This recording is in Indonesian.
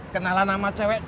kenalan nama cewek